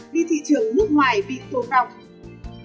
vì thị trường nước ngoài bị tổn đọc